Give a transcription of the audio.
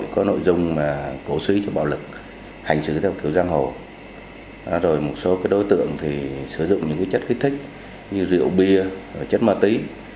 rồi một số đối tượng sử dụng những chất kích thích như rượu bia chất mờ tí